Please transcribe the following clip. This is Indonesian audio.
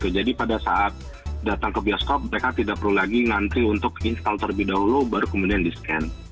jadi pada saat datang ke bioskop mereka tidak perlu lagi nanti untuk install terlebih dahulu baru kemudian di scan